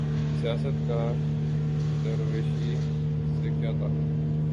سیاست کا درویشی سے کیا تعلق؟